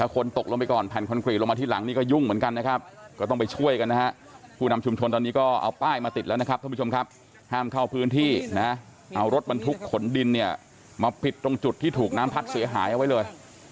ครับทุกผู้ชมครับห้ามเข้าพื้นที่นะเอารถมันทุกขนดินเนี่ยมาผิดตรงจุดที่ถูกน้ำพัดเสียหายเอาไว้เลย